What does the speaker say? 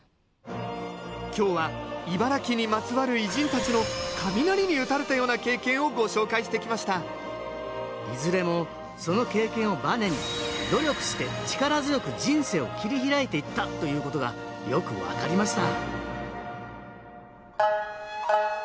今日は茨城にまつわる偉人たちの雷に打たれたような経験をご紹介してきましたいずれもその経験をバネに努力して力強く人生を切り開いていったということがよく分かりました